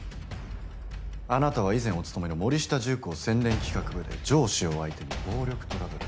あなたは以前お勤めのモリシタ重工宣伝企画部で上司を相手に暴力トラブル。